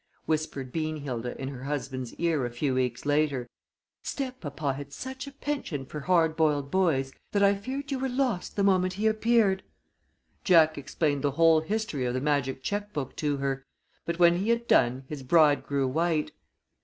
whispered Beanhilda in her husband's ear a few weeks later. "Step papa had such a penchant for hard boiled boys that I feared you were lost the moment he appeared." Jack explained the whole history of the magic check book to her, but when he had done, his bride grew white.